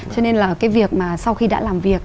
cho nên là cái việc mà sau khi đã làm việc